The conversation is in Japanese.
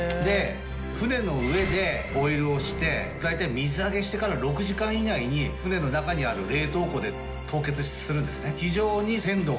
船の上でボイルをして大体水揚げしてから６時間以内に船の中にある冷凍庫で凍結するんですね。